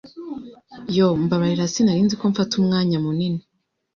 Yoo, mbabarira. Sinari nzi ko mfata umwanya munini."